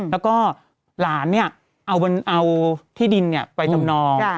แล้วก็หลานเนี่ยเอาที่ดินไปจำนอง